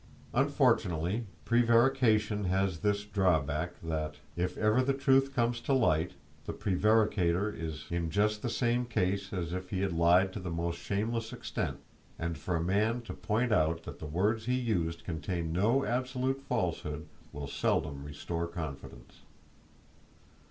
Unfortunately, prevarication has this drawback: that, if ever the truth comes to light, the prevaricator is in just the same case as if he had lied to the most shameless extent, and for a man to point out that the words he used contained no absolute falsehood will seldom restore confidence.